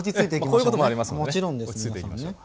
こういうこともありますもんね。